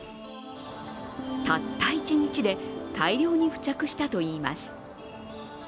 たった一日で大量に付着したといいます。